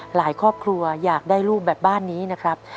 หลายครอบครัวอยากได้ลูกแบบบ้านนี้นะครับ